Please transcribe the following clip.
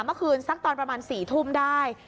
เมื่อคืนสักตอนประมาณ๔ทุ่มได้